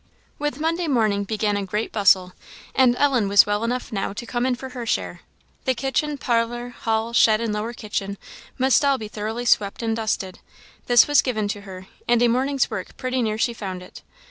With Monday morning began a grand bustle, and Ellen was well enough now to come in for her share. The kitchen, parlour, hall, shed, and lower kitchen, must all be thoroughly swept and dusted; this was given to her, and a morning's work pretty near she found it.